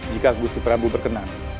jika gusti prabu berkenan